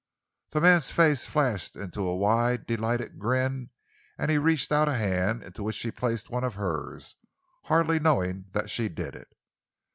The man's face flashed into a wide, delighted grin and he reached out a hand, into which she placed one of hers, hardly knowing that she did it.